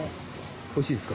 おいしいですか？